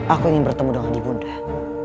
aku ingin bertemu dengan ibu undah